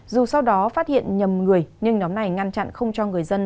dù sau đó phát hiện nhầm người nhưng nhóm này ngăn chặn không cho người dân